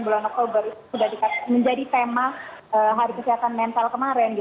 bulan oktober itu sudah menjadi tema hari kesehatan mental kemarin